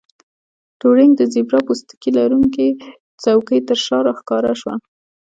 ټورینګ د زیبرا پوستکي لرونکې څوکۍ ترشا راښکاره شو